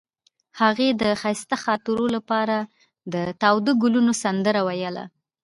هغې د ښایسته خاطرو لپاره د تاوده ګلونه سندره ویله.